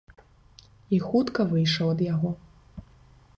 І хутка выйшаў ад яго.